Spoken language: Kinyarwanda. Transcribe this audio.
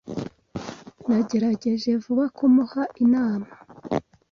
Nagerageje vuba kumuha inama.